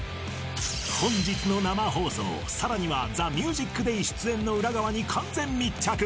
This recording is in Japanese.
本日の生放送、さらにはＴＨＥＭＵＳＩＣＤＡＹ出演の裏側に完全密着。